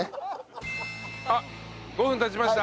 あっ５分経ちました。